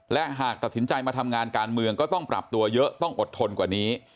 และหากตัดสินใจมาทำงานการเมืองก็ต้องปรับตัวเยอะต้องอดทนกว่านี้